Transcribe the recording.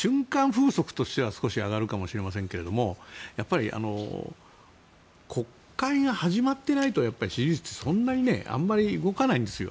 風速としては少し上がるかもしれませんがやっぱり国会が始まっていないと支持率ってそんなにねあまり動かないんですよ。